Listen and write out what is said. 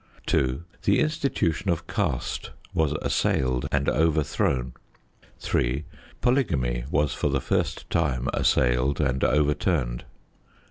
2. The institution of caste was assailed and overthrown. 3. Polygamy was for the first time assailed and overturned.